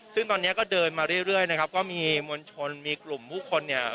ซึ่งตอนนี้ก็เดินมาเรื่อยนะครับก็มีมวลชนมีกลุ่มผู้คนเนี่ย